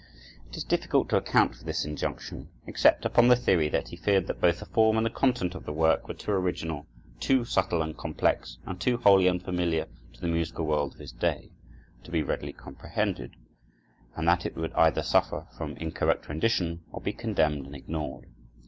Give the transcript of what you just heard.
It is difficult to account for this injunction, except upon the theory that he feared that both the form and the content of the work were too original, too subtle and complex, and too wholly unfamiliar to the musical world of his day, to be readily comprehended, and that it would either suffer from incorrect rendition or be condemned and ignored.